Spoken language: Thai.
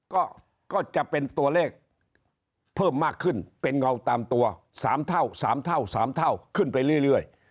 ก็จะเป็นตัวเลขเพิ่มมากขึ้นเป็นเงาตามตัว๓เท่า๓เท่า๓เท่าขึ้นไปเรื่อย